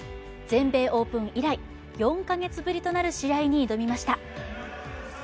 全米オープン以来、４カ月ぶりとなる試合に挑みました。